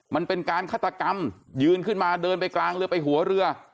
มันเป็นการฆาตกรรมยืนขึ้นมาเดินไปกลางเรือไปหัวเรือ